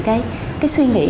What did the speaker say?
cái suy nghĩ